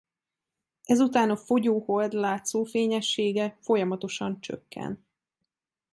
Ezután a fogyó hold látszó fényessége folyamatosan csökken.